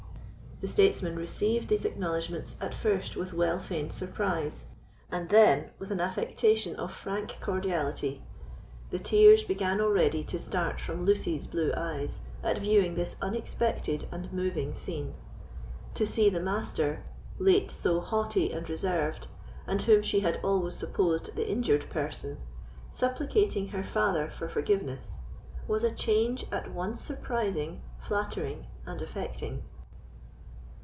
The statesman received these acknowledgments at first with well feigned surprise, and then with an affectation of frank cordiality. The tears began already to start from Lucy's blue eyes at viewing this unexpected and moving scene. To see the Master, late so haughty and reserved, and whom she had always supposed the injured person, supplicating her father for forgiveness, was a change at once surprising, flattering, and affecting.